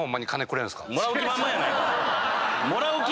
もらう気